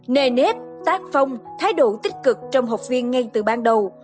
nề nếp tác phong thái độ tích cực trong học viên ngay từ ban đầu